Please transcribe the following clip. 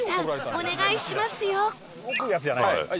お願いします。